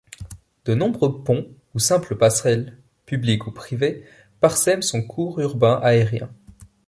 De nombreux ponts ou simples passerelles, publiques ou privées, parsèment son cours urbain aérien.